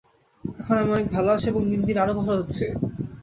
এখন আমি অনেক ভাল আছি এবং দিন দিন আরও ভাল হচ্ছি।